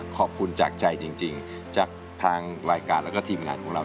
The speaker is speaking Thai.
ขอบคุณจากใจจริงจากทางรายการแล้วก็ทีมงานของเรา